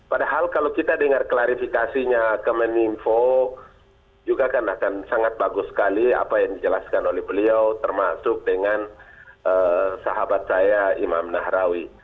padahal kalau kita dengar klarifikasinya ke meninfo juga akan sangat bagus sekali apa yang dijelaskan oleh beliau termasuk dengan sahabat saya imam nahrawi